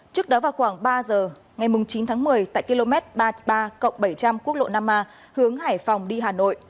trước đó vào khoảng ba giờ ngày chín tháng một mươi tại km ba mươi ba bảy trăm linh quốc lộ năm a hướng hải phòng đi hà nội